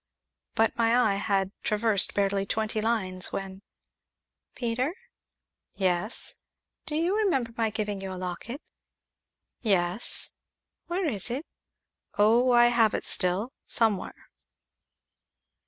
But my eye had traversed barely twenty lines when: "Peter?" "Yes?" "Do you remember my giving you a locket?" "Yes." "Where is it?" "Oh! I have it still somewhere."